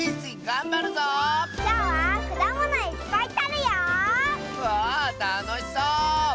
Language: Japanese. わあたのしそう！